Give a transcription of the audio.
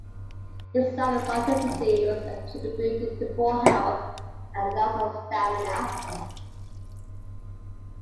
His lack of consistency was attributed to poor health and loss of stamina.